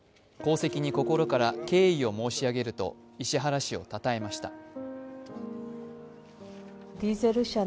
功績に心から敬意を申し上げると石原氏をたたえました。